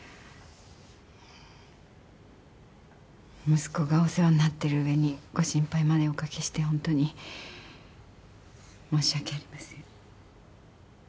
息子がお世話になってる上にご心配までおかけしてホントに申し訳ありません。